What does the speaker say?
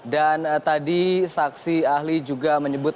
dan tadi saksi ahli juga menyebut